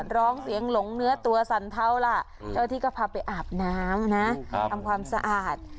ร้องเสียงหลงเนื้อตัวสั่นเทาล่ะเจ้าที่ก็พาไปอาบน้ำนะทำความสะอาด